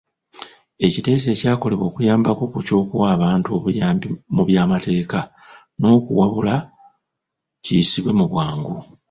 Ekiteeso ekyakolebwa okuyambako ku ky’okuwa abantu obuyambi mu by’amateeka n’okuwabulwa kiyisibwe mu bwangu.